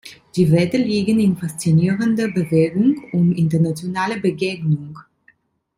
Die Werte liegen in faszinierender Bewegung und internationaler Begegnung.